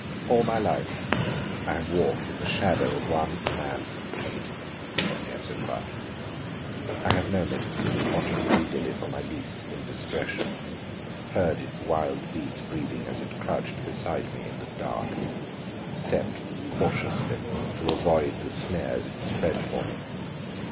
"All my life I have walked in the shadow of one man's hate," Stanief said quietly. "I have known it watching greedily for my least indiscretion, heard its wild beast breathing as it crouched beside me in the dark, stepped cautiously to avoid the snares it spread for me.